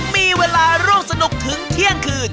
มีเวลาร่วมสนุกถึงเที่ยงคืน